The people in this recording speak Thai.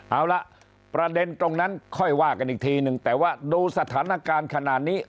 เอาละประเด็นตรงนั้นค่อยว่ากันอีกทีนึงแต่ว่าดูสถานการณ์ขนาดนี้